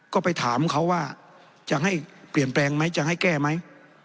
ก็ไปถามเขาว่าจะให้เปลี่ยนแปลงไหมจะให้แก้ไหม